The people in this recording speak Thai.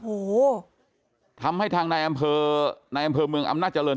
โอ้โหทำให้ทางนายอำเภอในอำเภอเมืองอำนาจริง